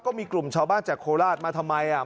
ก็มีกลุ่มชาวบ้านจากโคราชมาทำไมอ่ะ